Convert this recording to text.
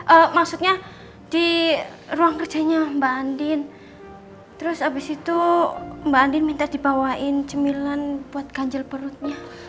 eh maksudnya di ruang kerjanya mbak andin terus habis itu mbak andin minta dibawain cemilan buat ganjil perutnya